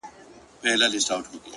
په اور دي وسوځم!! په اور مي مه سوځوه!!